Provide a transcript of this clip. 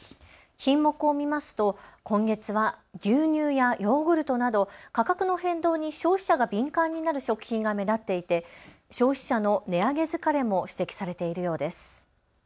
品目を見ますと今月は牛乳やヨーグルトなど価格の変動に消費者が敏感になる食品が目立っていて消費者の値上げ疲れも指摘されているようです。